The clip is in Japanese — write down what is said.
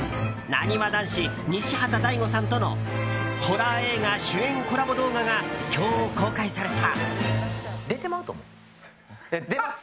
なにわ男子・西畑大吾さんとのホラー映画主演コラボ動画が今日、公開された。